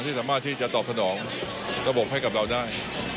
สามารถที่จะตอบสนองระบบให้กับเราได้